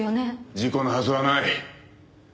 事故のはずはない。